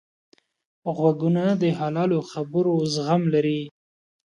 غوږونه د حلالو خبرو زغم لري